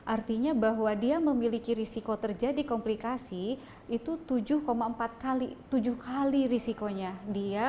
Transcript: artinya bahwa dia memiliki risiko terjadi komplikasi itu tujuh empat kali tujuh kali risikonya